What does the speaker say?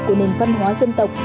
của nền văn hóa dân tộc